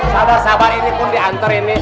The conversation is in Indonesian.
sabar sabar ini pun diantar ini